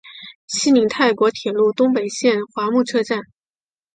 西邻泰国铁路东北线华目车站。